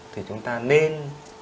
thì chúng ta nên